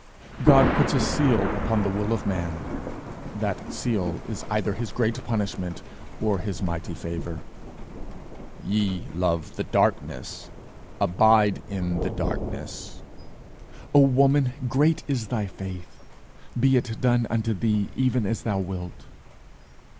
God puts a seal upon the will of man; that seal is either his great punishment, or his mighty favour: 'Ye love the darkness, abide in the darkness:' 'O woman, great is thy faith: be it done unto thee even as thou wilt!'